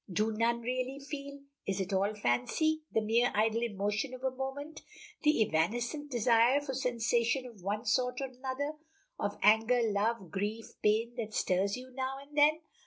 Do none really feel? Is it all fancy the mere idle emotion of a moment the evanescent desire for sensation of one sort or another of anger, love, grief, pain, that stirs you now and then?